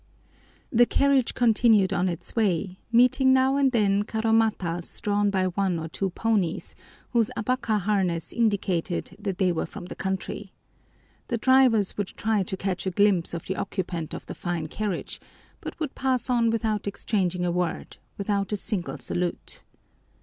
The carriage continued on its way, meeting now and then carromatas drawn by one or two ponies whose abaka harness indicated that they were from the country. The drivers would try to catch a glimpse of the occupant of the fine carriage, but would pass on without exchanging a word, without a single salute.